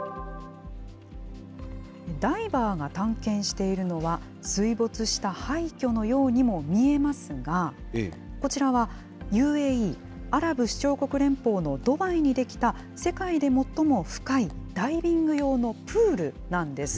ダイバーが探検しているのは、水没した廃虚のようにも見えますが、こちらはＵＡＥ・アラブ首長国連邦のドバイに出来た、世界で最も深いダイビング用のプールなんです。